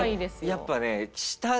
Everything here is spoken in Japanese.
やっぱね。